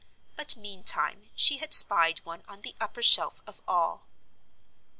But meantime she had spied one on the upper shelf of all.